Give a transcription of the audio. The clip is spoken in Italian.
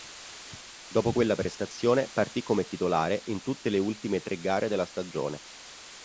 Dopo quella prestazione partì come titolare in tutte le ultime tre gare della stagione.